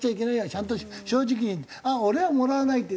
ちゃんと正直に俺はもらわないって。